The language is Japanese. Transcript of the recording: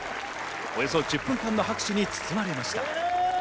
およそ１０分間の拍手に包まれました。